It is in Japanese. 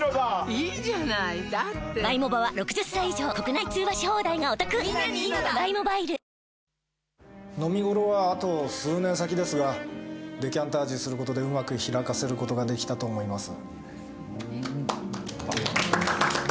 いいじゃないだって飲み頃はあと数年先ですがデカンタージュする事でうまく開かせる事ができたと思います。